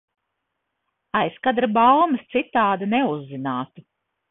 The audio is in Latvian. Aizkadra baumas citādi neuzzinātu.